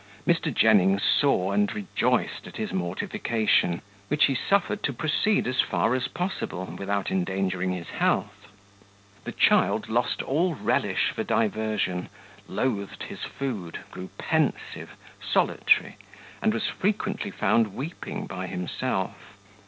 Mr. Jennings saw and rejoiced at his mortification, which he suffered to proceed as far as possible, without endangering his health. The child lost all relish for diversion, loathed his food, grew pensive, solitary, and was frequently found weeping by himself.